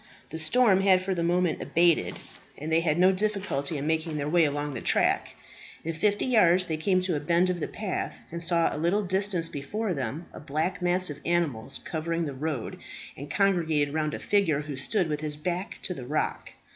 The storm had for the moment abated and they had no difficulty in making their way along the track. In fifty yards they came to a bend of the path, and saw, a little distance before them, a black mass of animals, covering the road, and congregated round a figure who stood with his back to the rock.